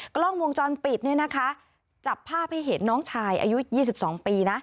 กล้องวงจรปิดเนี่ยนะคะจับภาพให้เห็นน้องชายอายุ๒๒ปีนะ